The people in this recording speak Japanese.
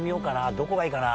どこがいいかな？